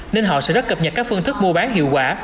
nên họ sẽ rất cập nhật các phương thức mua bán hiệu quả